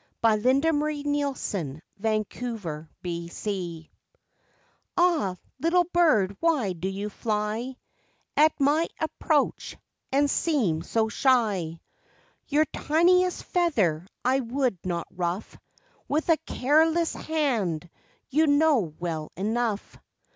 LIFE WAVES 53 SINCE THE WORLD BEGAN "Ah, little bird why do you fly At my approach, and seem so shy? Your tiniest feather I would not rulf With a careless hand you know well enough.